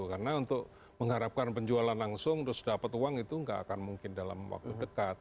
karena untuk mengharapkan penjualan langsung terus dapat uang itu nggak akan mungkin dalam waktu dekat